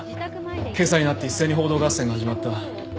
けさになって一斉に報道合戦が始まった。